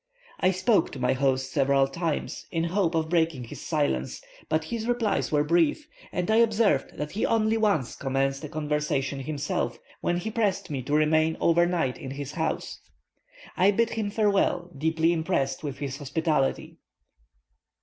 I spoke to my host several times, in hopes of breaking his silence; but his replies were brief; and I observed that he only once commenced a conversation himself, when he pressed me to remain over night in his house. I bid him farewell, deeply impressed with his hospitality."